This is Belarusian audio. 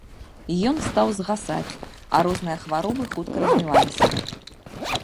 Ён стаў згасаць, а розныя хваробы хутка развіваліся.